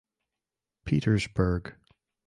Petersburg.